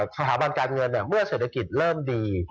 สถาบันการเงินเมื่อเศรษฐกิจเริ่มดี